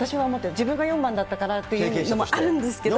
自分が４番だったからっていうのもあるんですけど。